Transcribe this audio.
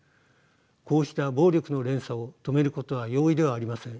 こうした暴力の連鎖を止めることは容易ではありません。